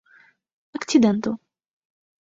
akcidento